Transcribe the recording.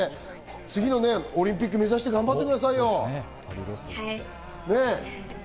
次のオリンピック目指して頑張ってくださはい。